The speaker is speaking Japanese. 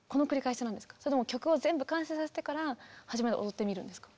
それとも曲を全部完成させてから初めて踊ってみるんですか？